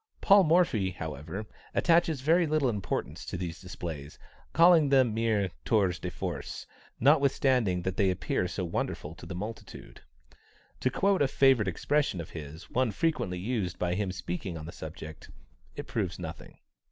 Paul Morphy, however, attaches very little importance to these displays, calling them mere tours de force, notwithstanding that they appear so wonderful to the multitude. To quote a favorite expression of his, one frequently used by him in speaking on the subject "It proves nothing."